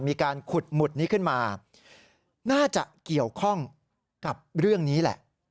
มีการขุดหมุดนี้ขึ้นมาน่าจะเกี่ยวข้องกับเรื่องนี้แหละ